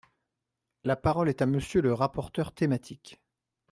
La parole est à Monsieur le rapporteur thématique.